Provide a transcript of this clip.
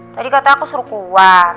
tadi katanya aku suruh keluar